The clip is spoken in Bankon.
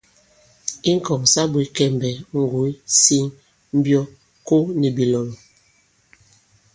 I ŋ̀kɔ̀ŋ sa bwě kɛmbɛ, ŋgòy, siŋ, mbyɔ, ko nì bìlɔ̀lɔ̀.